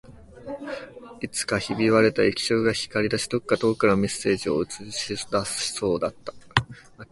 いつかひび割れた液晶が光り出し、どこか遠くからのメッセージを映し出しそうだった